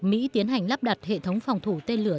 mỹ tiến hành lắp đặt hệ thống phòng thủ tên lửa